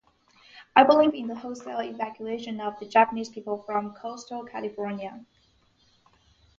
I believe in the wholesale evacuation of the Japanese people from coastal California.